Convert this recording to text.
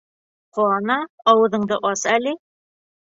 — Ҡана, ауыҙыңды ас әле?